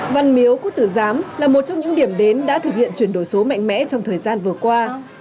văn miếu quốc tử giám là một trong những điểm đến đã thực hiện chuyển đổi số mạnh mẽ trong thời gian vừa qua